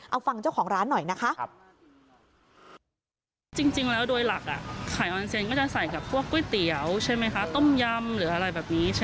เอาฟังเจ้าของร้านหน่อยนะคะ